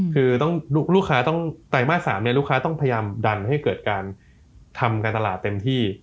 คือลูกค้าต้องไตรมาส๓ลูกค้าต้องพยายามดันให้เกิดการทำการตลาดเต็มที่